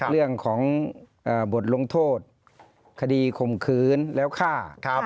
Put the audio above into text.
เรื่องของบทลงโทษคดีข่มขืนแล้วฆ่า